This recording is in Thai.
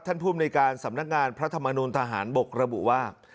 ภูมิในการสำนักงานพระธรรมนุนทหารบกระบุว่า